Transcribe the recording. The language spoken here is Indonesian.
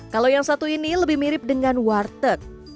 kalau yang satu ini lebih mirip dengan warteg